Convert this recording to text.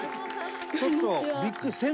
ちょっと、ビックリ。